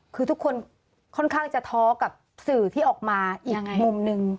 คือทุกคนค่อนข้างจะท้อกับสื่อที่ออกมาอีกมุมนึง